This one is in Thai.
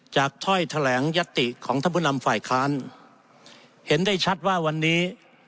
ถ้อยแถลงยัตติของท่านผู้นำฝ่ายค้านเห็นได้ชัดว่าวันนี้